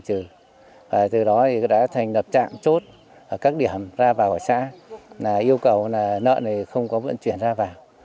từ đó đã thành lập trạm chốt ở các điểm ra vào xã yêu cầu lợn không có vận chuyển ra vào